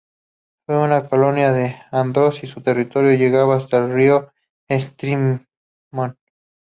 Fue una colonia de Andros y su territorio llegaba hasta el río Estrimón.